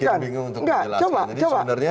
ya ini pengalamannya